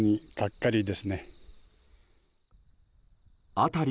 辺り